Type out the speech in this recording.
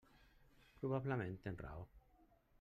Probablement tens raó.